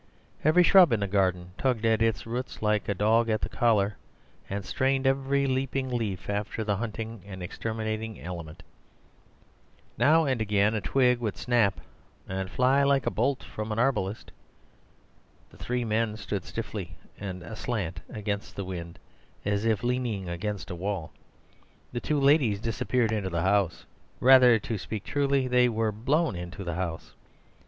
Every shrub in the garden tugged at its roots like a dog at the collar, and strained every leaping leaf after the hunting and exterminating element. Now and again a twig would snap and fly like a bolt from an arbalist. The three men stood stiffly and aslant against the wind, as if leaning against a wall. The two ladies disappeared into the house; rather, to speak truly, they were blown into the house.